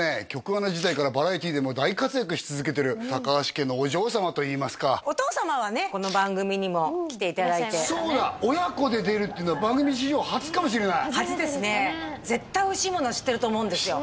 アナ時代からバラエティでも大活躍し続けてる高橋家のお嬢様といいますかお父様はねこの番組にも来ていただいてそうだ親子で出るっていうのは番組史上初かもしれない初ですね絶対おいしいもの知ってると思うんですよ